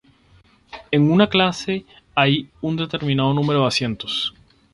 En una clase hay un determinado número de asientos.